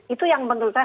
itu yang menurut saya